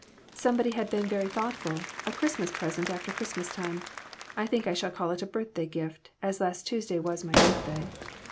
Somebody has been very thoughtful ; a Christmas present after Christmas time. I think I shall call it a birthday gift, as last Tues day was my birthday.